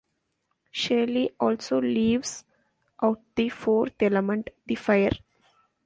Shelley also leaves out the fourth element: the fire.